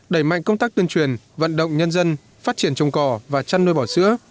đẩy mạnh công tác tuyên truyền vận động nhân dân phát triển trồng cỏ và chăn nuôi bò sữa